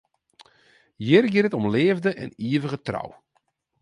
Hjir giet it om leafde en ivige trou.